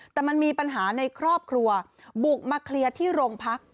แต่มันมีปัญหาในครอบครัวบุกมาเคลียร์ที่โรงพัก